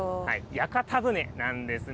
屋形船なんですね。